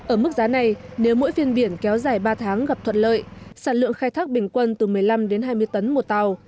ở mức giá này nếu mỗi phiên biển kéo dài ba tháng gặp thuận lợi sản lượng khai thác bình quân từ một mươi năm đến hai mươi tấn một tàu